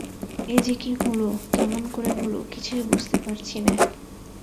এ যে কী হল, কেমন করে হল, কিছুই বুঝতে পারছি নে।